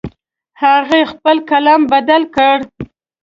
هغې خپل قلم بدل کړ